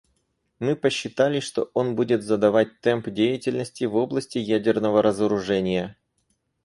Мы посчитали, что он будет задавать темп деятельности в области ядерного разоружения.